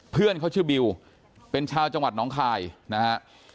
เพื่อนเขาชื่อบิวเป็นชาวจังหวัดน้องคายนะฮะ